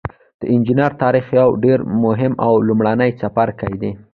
د انجنیری تاریخ یو ډیر مهم او لومړنی څپرکی دی.